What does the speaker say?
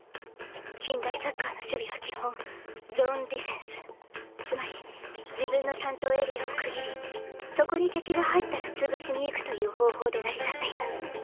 近代サッカーの守備は基本ゾーンディフェンスつまり自分の担当エリアを区切りそこに敵が入ったら潰しに行くという方法で成り立っています。